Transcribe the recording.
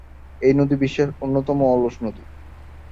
এই নদী বিশ্বের অন্যতম অলস নদী।